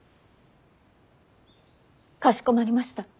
かしこまりました。